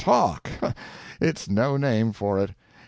Talk! It's no name for it.